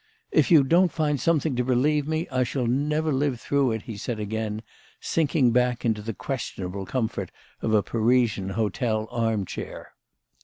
" If you don't find some thing to relieve me I shall never live through it/' he said again, sinking back into the questionable comfort of a Parisian hotel arm chair.